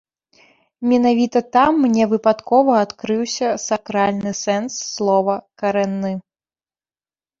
Менавіта там мне выпадкова адкрыўся сакральны сэнс слова карэнны.